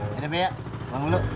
ya udah pak bangun dulu